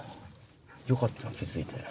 よかった気付いて。